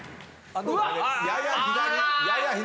やや左。